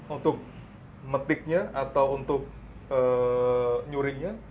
untuk matic nya atau untuk nyuriknya